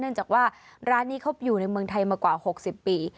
จากว่าร้านนี้เขาอยู่ในเมืองไทยมากว่า๖๐ปี